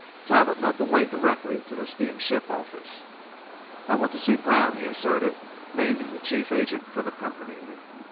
Talbot led the way directly to the steamship office. "I want to see Brown," he asserted, naming the chief agent for the company.